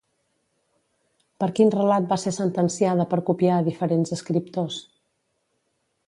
Per quin relat va ser sentenciada per copiar a diferents escriptors?